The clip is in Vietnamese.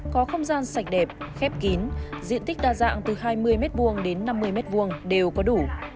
có không gian sạch đẹp khép kín diện tích đa dạng từ hai mươi m hai đến năm mươi m hai đều có đủ